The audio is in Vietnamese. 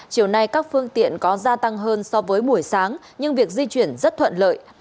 chiều nay các phương tiện có gia tăng hơn so với buổi sáng nhưng việc di chuyển rất thuận lợi